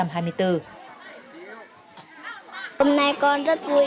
hôm nay con rất vui